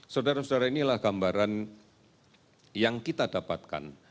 saudara saudara inilah gambaran yang kita dapatkan